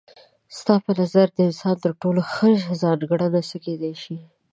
ستا په نظر د انسان تر ټولو ښه ځانګړنه څه کيدای شي؟